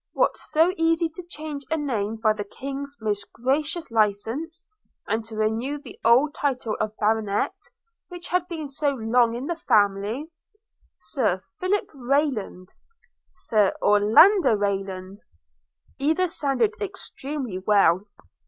What so easy to change a name by the King's most gracious license? and to renew the old title of Baronet, which had been so long in the family? – Sir Philip Rayland! Sir Orlando Rayland! either sounded extremely well.